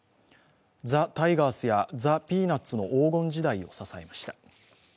ザ・タイガースやザ・ピーナッツの黄金時代を支えました。